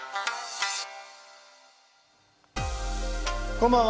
こんばんは。